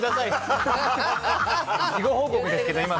事後報告ですけど。